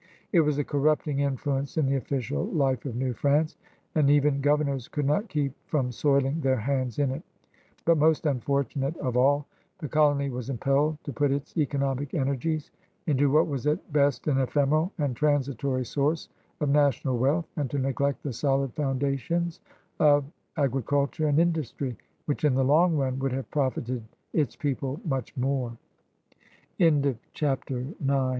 It was a corrupting influence in the official life of New France, and even governors could not keep from soiling their hands in it. But most unfortunate of all, the colony was impelled to put its economic energies into what was at best an ephemeral and transitory source of national wealth and to neglect the solid foundations of agriculture and industry which